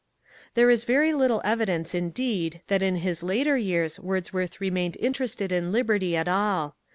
There is very little evidence, indeed, that in his later years Wordsworth remained interested in liberty at all.